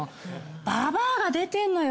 ババアが出てんのよ